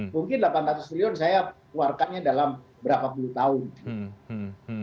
mungkin delapan ratus triliun saya keluarkannya dalam berapa puluh tahun